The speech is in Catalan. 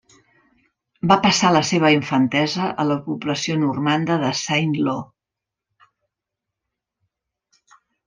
Va passar la seva infantesa a la població normanda de Saint-Lô.